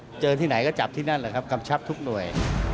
เจอที่ไหนก็จับที่นั่นแหละครับกำชับทุกหน่วย